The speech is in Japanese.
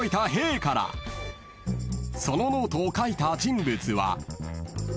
［そのノートを書いた人物は］